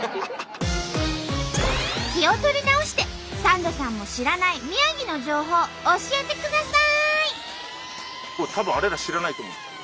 気を取り直してサンドさんも知らない宮城の情報教えてください！